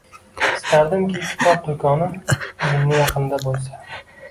Istardimki kitob do’koni uyimni yaqinida bo’lsa.